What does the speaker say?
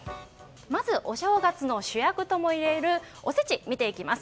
まずお正月の主役ともいえるおせち見ていきます。